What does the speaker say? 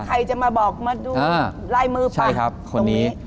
ถ้าใครจะมาบอกมาดูลายมือเปล่าตรงนี้